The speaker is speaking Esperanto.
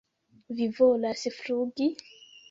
Vi volas flugi?